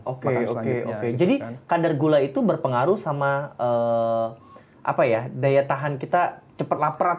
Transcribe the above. oke oke oke jadi kadar gula itu berpengaruh sama apa ya daya tahan kita cepat lapar atau nggak